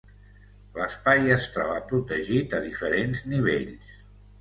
L'espai es troba protegit a diferents nivells.